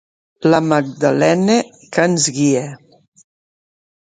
La Magdalena que ens guie!